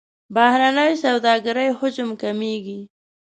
بهرنۍ سوداګرۍ حجم کمیږي.